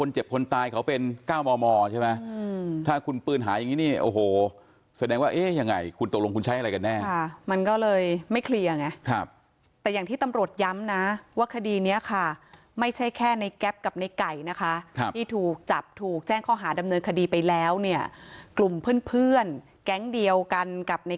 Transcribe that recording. แจ้งข้อหาดำเนินคดีไปแล้วเนี่ยกลุ่มเพื่อนเพื่อนแก๊งเดียวกันกับใน